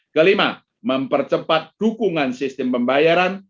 kelima mempercepat dukungan sistem pembayaran